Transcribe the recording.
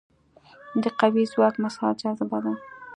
د قوي ځواک مثال جاذبه ده.